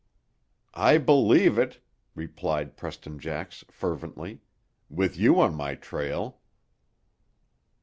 "I believe it," replied Preston Jax fervently, "with you on my trail."